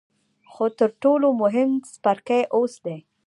خو تر ټولو مهم څپرکی اوس دی.